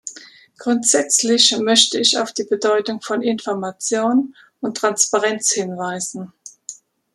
Grundsätzlich möchte ich auf die Bedeutung von Information und Transparenz hinweisen.